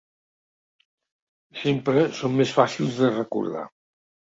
Sempre són més fàcils de recordar.